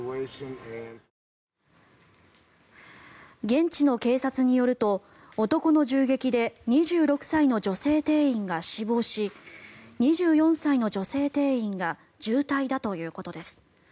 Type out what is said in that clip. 現地の警察によると男の銃撃で２６歳の女性店員が死亡し２４歳の女性店員が重体だということです。